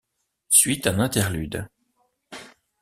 Suit un interlude.